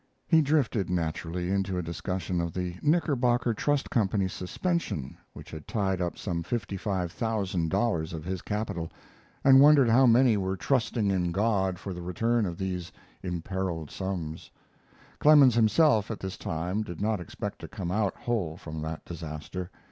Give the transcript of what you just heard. He drifted, naturally, into a discussion of the Knickerbocker Trust Company's suspension, which had tied up some fifty five thousand dollars of his capital, and wondered how many were trusting in God for the return of these imperiled sums. Clemens himself, at this time, did not expect to come out whole from that disaster.